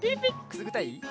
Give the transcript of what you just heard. くすぐったい？